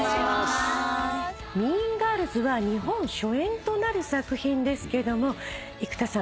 『ＭＥＡＮＧＩＲＬＳ』は日本初演となる作品ですけども生田さん